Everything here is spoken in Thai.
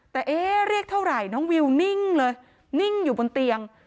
แต่เอ๊ะเรียกเท่าไหร่น้องวิวนิ่งเลยนิ่งอยู่บนเตียง